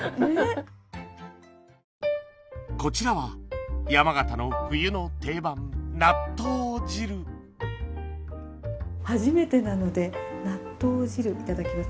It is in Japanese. こちらは山形の冬の定番初めてなので納豆汁いただきます。